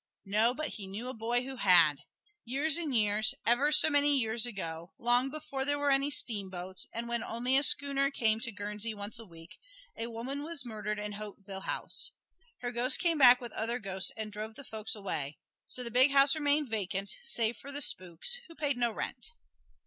No, but he knew a boy who had. Years and years ever so many years ago long before there were any steamboats, and when only a schooner came to Guernsey once a week, a woman was murdered in Hauteville House. Her ghost came back with other ghosts and drove the folks away. So the big house remained vacant save for the spooks, who paid no rent.